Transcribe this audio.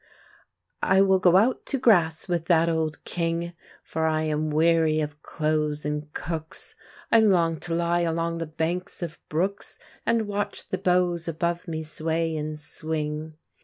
I will go out to grass with that old King, For I am weary of clothes and cooks. I long to lie along the banks of brooks, And watch the boughs above me sway and swing.